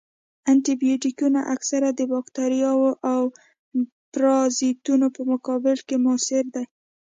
انټي بیوټیکونه اکثراً د باکتریاوو او پرازیتونو په مقابل کې موثر دي.